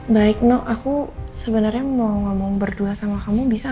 baik no aku sebenarnya mau ngomong berdua sama kamu bisa